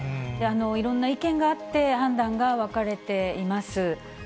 いろんな意見があって、判断が分かれています。